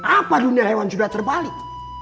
apa dunia hewan juga terbalik